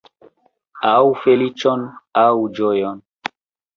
Aŭ feliĉon, aŭ ĝojon.